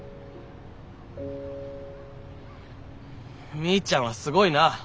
みーちゃんはすごいな。